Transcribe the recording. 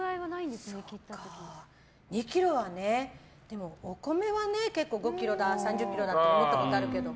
２ｋｇはね、お米は５ｋｇだ３０ｋｇだって持ったことあるけど。